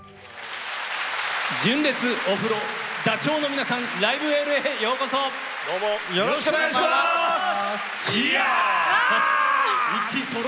純烈おふろダチョウの皆さん「ライブ・エール」へ、ようこそ。